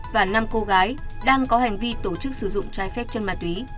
và năm cô gái đang có hành vi tổ chức sử dụng trái phép chân ma túy